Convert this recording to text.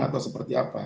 atau seperti apa